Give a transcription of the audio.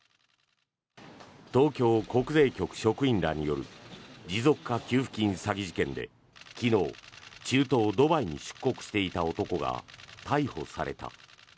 東京国税局職員らによる持続化給付金詐欺事件で昨日、中東ドバイに出国していた男が逮捕された。